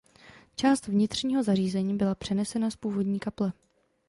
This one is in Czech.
Část vnitřního zařízení byla přenesena z původní kaple.